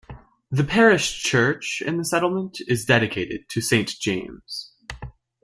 The parish church in the settlement is dedicated to Saint James.